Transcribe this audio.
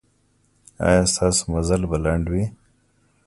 ایا ستاسو مزل به لنډ وي؟